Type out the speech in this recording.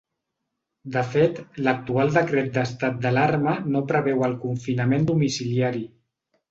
De fet, l’actual decret d’estat d’alarma no preveu el confinament domiciliari.